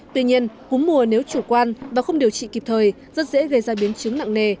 tuy nhiên cúm mùa nếu chủ quan và không điều trị kịp thời rất dễ gây ra biến chứng nặng nề